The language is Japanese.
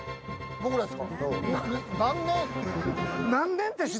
僕らっすか？